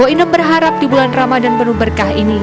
boyem berharap di bulan ramadan penuh berkah ini